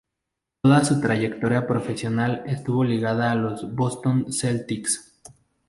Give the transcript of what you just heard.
Toda su trayectoria profesional estuvo ligada a los Boston Celtics.